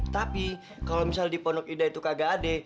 tapi kalau misalnya di pondok indah itu kagak ada